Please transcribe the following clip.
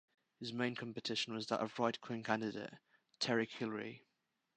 His main competition was that of right-wing candidate Terry Kilrea.